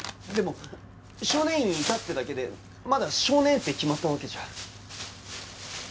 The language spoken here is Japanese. でも少年院にいたってだけでまだ少年Ａって決まったわけじゃ。